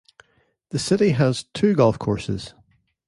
The city has two golf courses.